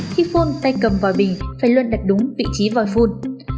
khi phun tay cầm vòi bình phải luôn đặt đúng vị trí vòi phun